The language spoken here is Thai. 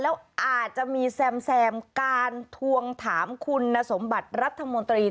แล้วอาจจะมีแซมการทวงถามคุณสมบัติรัฐมนตรี